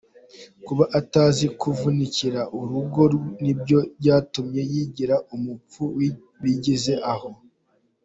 kuba atazi kuvunikira urugo nibyo byatumye yigira umupfu bigeze aho.